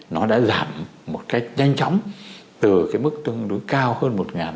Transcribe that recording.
nó đã giảm một cách nhanh chóng từ cái mức tương đối cao hơn